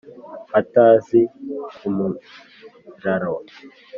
Hatazi umuraro